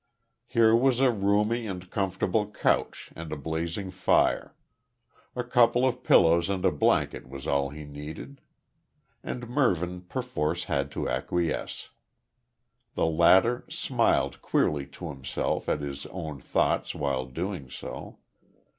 Here was a roomy and comfortable couch, and a blazing fire. A couple of pillows and a blanket was all he needed. And Mervyn perforce had to acquiesce. The latter smiled queerly to himself at his own thoughts while doing so.